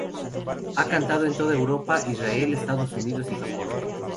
Ha cantado en toda Europa, Israel, Estados Unidos y Japón.